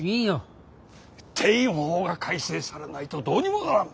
定員法が改正されないとどうにもならん。